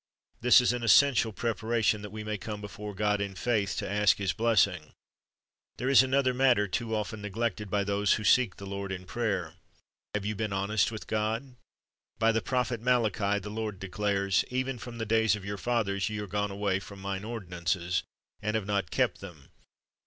This is an essential preparation that we may come before God in faith, to ask His blessing. There is another matter too often neglected by those who seek the Lord in prayer. Have you been honest with God? By the prophet Malachi the Lord declares, "Even from the days of your fathers ye are gone away from Mine ordinances, and have not kept them.